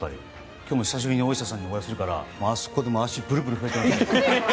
今日も久しぶりに大下さんにお会いするからあそこで足プルプル震えてました。